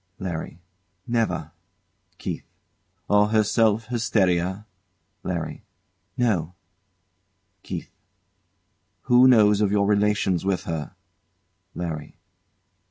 LARRY. Never. KEITH. Or herself hysteria? LARRY. No. KEITH. Who knows of your relations with her? LARRY.